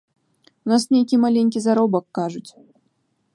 У нас нейкі маленькі заробак, кажуць.